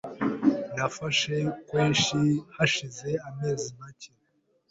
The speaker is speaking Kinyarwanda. Nafashe squash hashize amezi make .